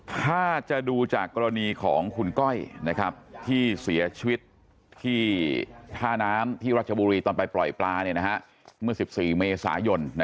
ถ้าจะดูจากกรณีของคุณก้อยที่เสียชีวิตที่ท่าน้ำ